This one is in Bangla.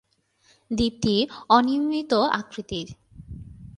দ্বীপটি অনিয়মিত আকৃতির।